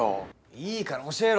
いいから教えろ。